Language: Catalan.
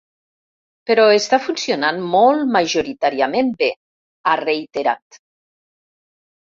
“Però està funcionant molt majoritàriament bé”, ha reiterat.